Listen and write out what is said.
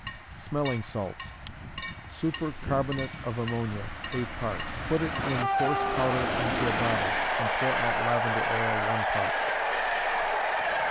Smelling Salts. Super carbonate of ammonia, eight parts; put it in coarse powder into a bottle, and pour out lavender oil one part.